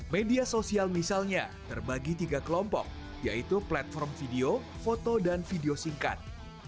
media sosial misalnya terbagi tiga kelompok yaitu platform video foto dan video singkat